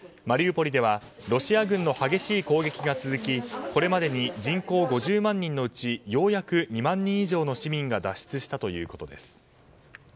マリウポリではロシア軍の激しい攻撃が続きこれまでに人口５０万人のうちようやく２万人以上の市民が脱出したということです。